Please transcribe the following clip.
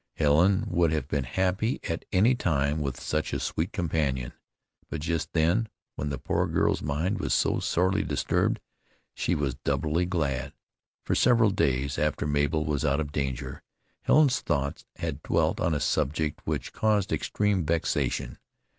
Helen would have been happy at any time with such a sweet companion, but just then, when the poor girl's mind was so sorely disturbed she was doubly glad. For several days, after Mabel was out of danger, Helen's thoughts had dwelt on a subject which caused extreme vexation.